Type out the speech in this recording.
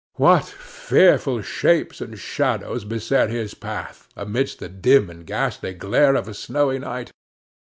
What fearful shapes and shadows beset his path, amidst the dim and ghastly glare of a snowy night!